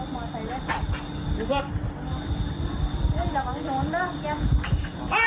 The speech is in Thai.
ไม่รู้ไงน้องบ้าจัง